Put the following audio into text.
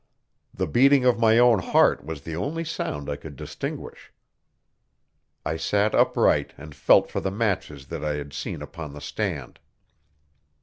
The beating of my own heart was the only sound I could distinguish. I sat upright and felt for the matches that I had seen upon the stand.